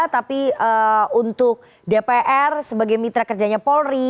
tapi untuk dpr sebagai mitra kerjanya polri